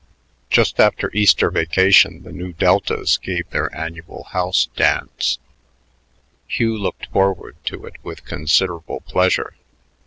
Just after Easter vacation the Nu Deltas gave their annual house dance. Hugh looked forward to it with considerable pleasure.